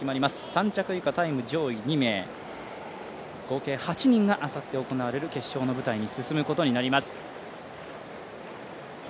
３着以下タイム上位２名、合計８人があさって行われる決勝の舞台に進むことになります。